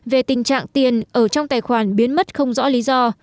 về tình trạng tiền ở trong tài khoản biến mất không rõ lý do